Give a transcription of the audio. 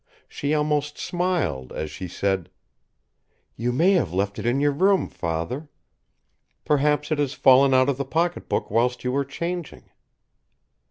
She almost smiled as she said: "You may have left it in your room, Father. Perhaps it has fallen out of the pocket book whilst you were changing."